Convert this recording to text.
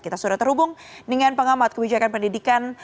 kita sudah terhubung dengan pengamat kebijakan pendidikan